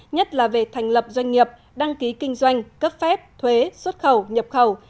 nhất là về thành lập doanh nghiệp đăng ký kinh doanh cấp phép thuế xuất khẩu nhập khẩu